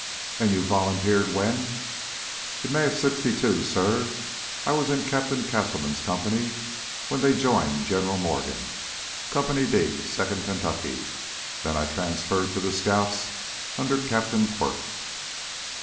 "And you volunteered when ?" "In May of '62, suh. I was in Captain Castleman's company when they joined General Morgan Company D, Second Kentucky. Then I transferred to the scouts under Captain Quirk."